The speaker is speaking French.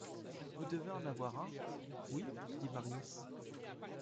Vous devez en avoir un ? Oui, dit Marius.